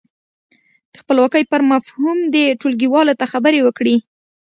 د خپلواکۍ پر مفهوم دې ټولګیوالو ته خبرې وکړي.